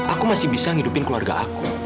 aku masih bisa ngidupin keluarga aku